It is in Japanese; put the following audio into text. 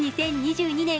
２０２２年